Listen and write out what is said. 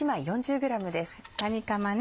かにかまね。